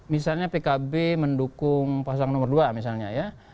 misalnya pkb mendukung pasangan nomor dua